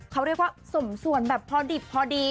เขาเรียกว่าสมส่วนแบบพอดิบพอดี